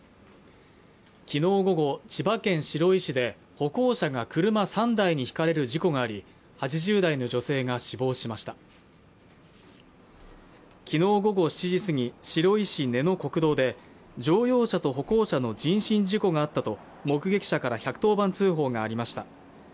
昨日午後、千葉県白井市で歩行者が車３台にひかれる事故があり８０代の女性が死亡しました昨日午後７時過ぎ白井市根の国道で乗用車と歩行者の人身事故があったと目撃者から１１０番通報がありました